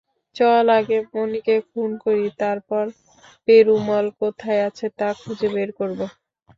চল আগে মনিকে খুন করি, তারপর, পেরুমল কোথায় আছে তা খুঁজে বের করব।